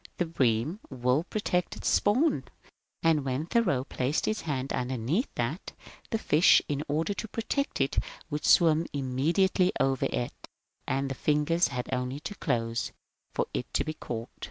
The bream will protect its spawn ; 348 MONCURE DANIEL CX)NWAY and when Thoreau placed his hand underneath that, the fish, in order to protect it, would swim immediately over it, and the fingers had only to close for it to be caught.